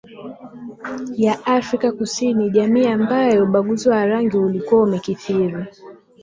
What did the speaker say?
Ya Afrika Kusini jamii ambayo ubaguzi wa rangi ulikuwa umekithiri